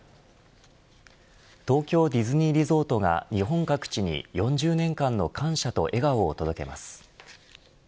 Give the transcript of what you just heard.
東京ディズニーリゾートが日本各地に４０年間の感謝と笑顔を届けます。